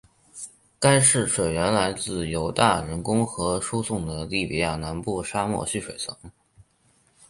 该市水源来自由大人工河输送的利比亚南部沙漠蓄水层。